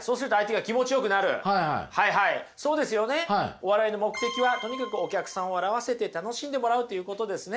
お笑いの目的はとにかくお客さんを笑わせて楽しんでもらうということですね。